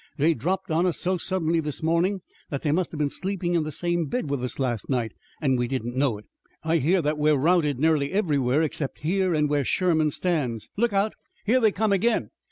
They dropped on us so suddenly this morning that they must have been sleeping in the same bed with us last night, and we didn't know it. I hear that we're routed nearly everywhere except here and where Sherman stands. Look out! Here they come again!"